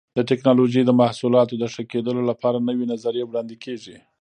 د ټېکنالوجۍ د محصولاتو د ښه کېدلو لپاره نوې نظریې وړاندې کېږي.